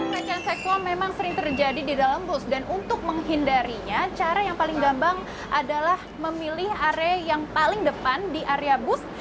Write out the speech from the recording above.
pelecehan seksual memang sering terjadi di dalam bus dan untuk menghindarinya cara yang paling gampang adalah memilih area yang paling depan di area bus